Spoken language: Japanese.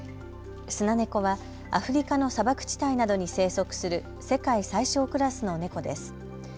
スナネコはアフリカの砂漠地帯などに生息する世界最小クラスのネコです。